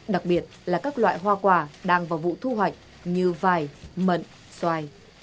đặc biệt là các loại hoa quả đang vào vụ thu hoạch như vải mận xoài